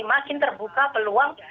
makin terbuka peluang